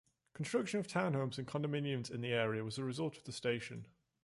Construction of townhomes and condominiums in the area was a result of the station.